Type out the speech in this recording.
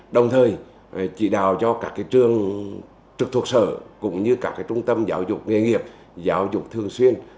đồng thời chỉ đào cho các trường trực thuộc sở cũng như các trung tâm giáo dục nghề nghiệp giáo dục thường xuyên